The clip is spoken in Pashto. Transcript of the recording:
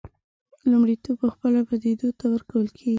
لومړیتوب پخپله پدیدو ته ورکول کېږي.